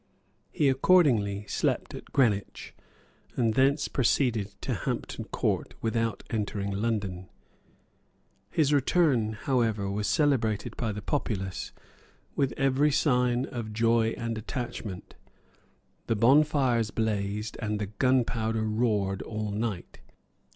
He accordingly slept at Greenwich, and thence proceeded to Hampton Court without entering London. His return was, however, celebrated by the populace with every sign of joy and attachment. The bonfires blazed, and the gunpowder roared, all night.